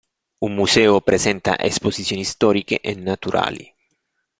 Un museo presenta esposizioni storiche e naturali.